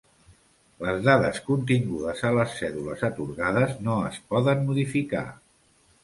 Les dades contingudes a les cèdules atorgades no es poden modificar.